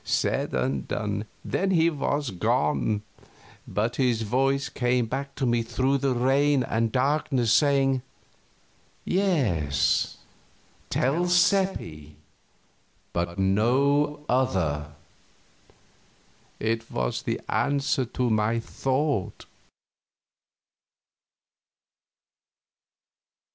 Said and done. Then he was gone; but his voice came back to me through the rain and darkness saying, "Yes, tell Seppi, but no other." It was the answer to my thought.